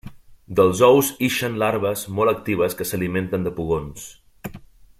Dels ous ixen larves molt actives que s'alimenten de pugons.